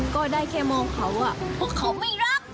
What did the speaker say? ก็ได้แค่มองเขาอะ